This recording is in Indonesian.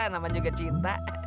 nama juga cinta